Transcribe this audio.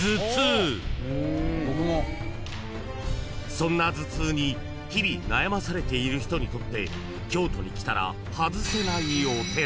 ［そんな頭痛に日々悩まされている人にとって京都に来たら外せないお寺］